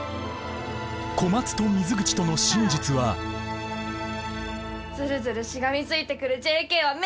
小松と水口との真実は「ずるずるしがみついてくるＪＫは面倒だ」だって。